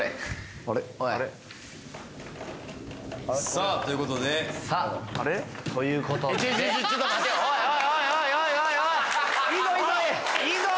さあということでさあということでいいぞいいぞ！